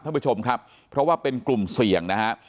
ท่านผู้ชมครับเพราะว่าเป็นกลุ่มเสี่ยงนะฮะ